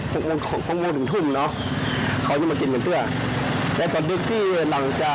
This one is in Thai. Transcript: เชื้องคืนเขามองโหว่ให้เขากินหรือไม่เขามองโหวอ่ะ